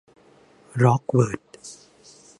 ร้อกเวิธ